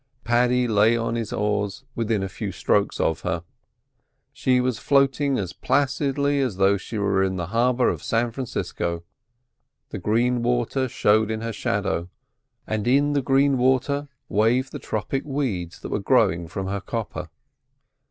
Paddy lay on his oars within a few strokes of her. She was floating as placidly as though she were in the harbour of San Francisco; the green water showed in her shadow, and in the green water waved the tropic weeds that were growing from her copper.